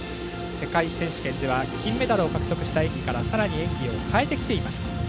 世界選手権では金メダルを獲得した演技からさらに演技を変えてきていました。